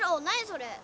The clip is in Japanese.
それ。